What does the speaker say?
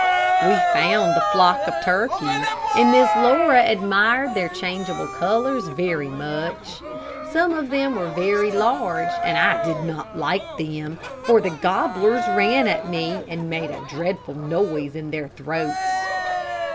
We found the flock of turkeys, and Miss Laura admired their changeable colors very much. Some of them were very large, and I did not like them, for the gobblers ran at me, and made a dreadful noise in their throats.